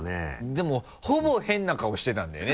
でもほぼ変な顔してたんだよね